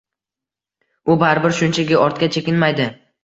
U baribir shunchaki ortga chekinmaydi.